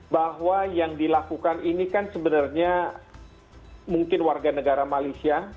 bahwa yang dilakukan ini kan sebenarnya mungkin warga negara malaysia